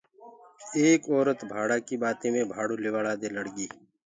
ايڪ اورت ڀاڙآ ڪي ٻآتي مي ڀآڙو ليوآݪآ دي لڙگي